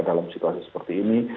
dalam situasi seperti ini